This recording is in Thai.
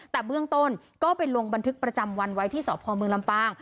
แต่เบื้องต้นก็ไปลงบันทึกประจำวันไว้ที่สพเมืองลำปาง